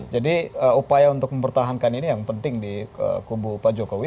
jadi upaya untuk mempertahankan ini yang penting di kubu pak jokowi